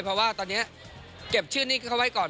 เพราะว่าตอนนี้เก็บชื่อหนี้เขาไว้ก่อน